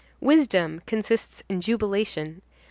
Wisdom consists in jubilation.